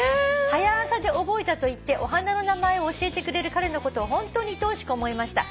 「『はや朝』で覚えたと言ってお花の名前を教えてくれる彼のことを本当にいとおしく思いました」